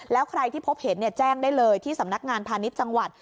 แล้วใครที่พบเห็นแจ้งได้เลยที่สำนักงานพาณิชย์จังหวัด